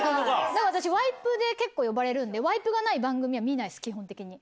だから私、ワイプで結構呼ばれるんで、ワイプがない番組は見ないです、基本的に。